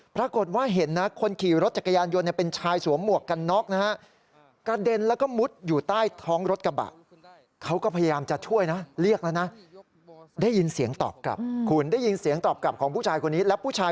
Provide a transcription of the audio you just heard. ปรากฏว่าเห็นนะคนขี่รถจักรยานยนต์เนี่ยเป็นชายสวมหมวกกันน๊อกนะฮะ